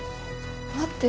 待って！